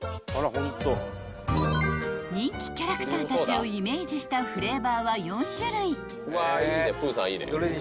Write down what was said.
［人気キャラクターたちをイメージしたフレーバーは４種類］